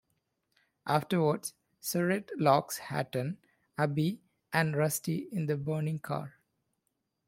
Afterwards, Surrett locks Hatton, Abbie and Rusty in the burning car.